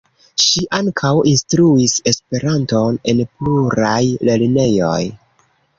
Ŝi ankaŭ instruis Esperanton en pluraj lernejoj.